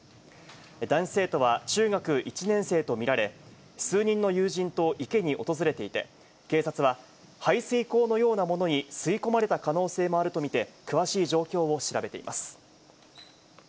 男子生徒は中学１年生と見られ、数人の友人と池に訪れていて、警察は、排水口のようなものに吸い込まれた可能性もあると見て、詳しい状況を調べています。